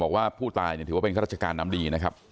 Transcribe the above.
บอกว่าผู้ตายถือว่าเป็นข้าราชการน้ำดีนะครับ